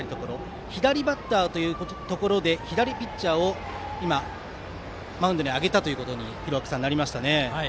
左バッターというところで左ピッチャーをマウンドに上げたことになりました。